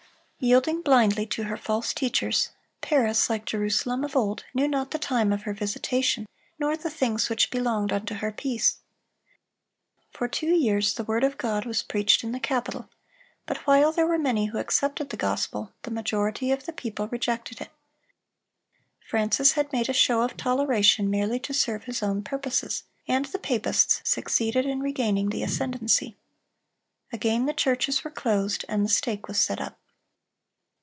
Yielding blindly to her false teachers, Paris, like Jerusalem of old, knew not the time of her visitation, nor the things which belonged unto her peace. For two years the word of God was preached in the capital; but while there were many who accepted the gospel, the majority of the people rejected it. Francis had made a show of toleration, merely to serve his own purposes, and the papists succeeded in regaining the ascendency. Again the churches were closed, and the stake was set up.